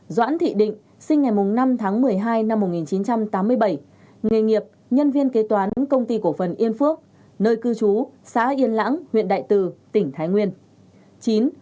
tám doãn thị định sinh ngày năm tháng một mươi hai năm một nghìn chín trăm tám mươi bảy nghề nghiệp nhân viên kế toán công ty cổ phần yên phước nơi cư trú xã yên lãng huyện đại tư tp hcm